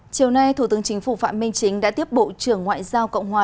chiều nay thủ tướng chính phủ phạm minh chính đã tiếp bộ trưởng ngoại giao cộng hòa